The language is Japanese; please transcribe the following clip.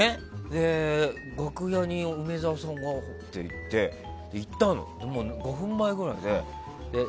楽屋に梅沢さんがって言ってそれで行ったの、５分前ぐらいで。